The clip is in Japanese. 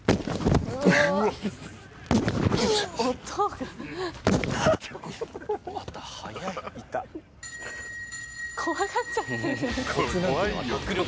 怖がっちゃってる。